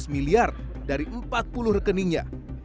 lima belas miliar dari empat puluh rekeningnya